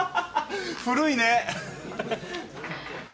古いね。